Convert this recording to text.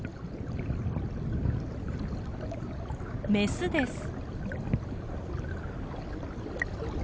メスです。